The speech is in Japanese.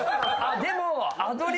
でも。